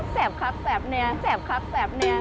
แซ่บครับแซ่บเนี่ยแซ่บครับแซ่บเนี่ย